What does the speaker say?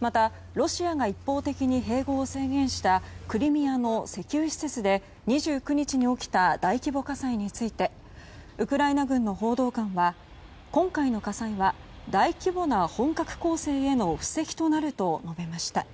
また、ロシアが一方的に併合を宣言したクリミアの石油施設で２９日に起きた大規模火災についてウクライナ軍の報道官は今回の火災は大規模な本格攻勢への布石となると述べました。